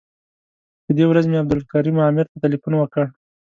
په دې ورځ مې عبدالکریم عامر ته تیلفون وکړ.